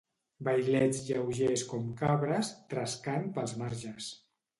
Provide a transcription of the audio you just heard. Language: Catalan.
Vailets lleugers com cabres, trescant pels marges